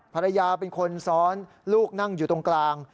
ภรรยาเป็นคนซ้อนลูกนั่งอยู่ตรงกลาง